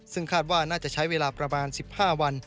ซึ่งคาดว่าน่าจะใช้เวลาประมาณ๑๕วัน